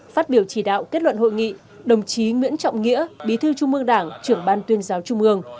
phát biểu chỉ đạo kết luận hội nghị đồng chí nguyễn trọng nghĩa bí thư trung ương đảng trưởng ban tuyên giáo trung ương